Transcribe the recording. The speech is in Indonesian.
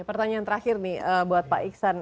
pertanyaan terakhir nih buat pak iksan